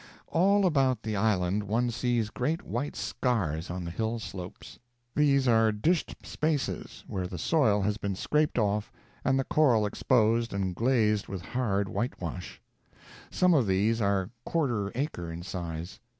All about the island one sees great white scars on the hill slopes. These are dished spaces where the soil has been scraped off and the coral exposed and glazed with hard whitewash. Some of these are a quarter acre in size.